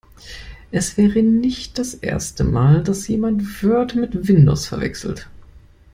Es wäre nicht das erste Mal, dass jemand Word mit Windows verwechselt.